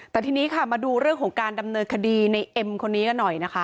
แต่ทีนี้ค่ะมาดูเรื่องของการดำเนินคดีในเอ็มคนนี้กันหน่อยนะคะ